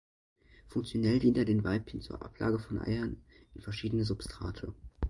Funktionell dient er den Weibchen zur Ablage von Eiern in verschiedene Substrate.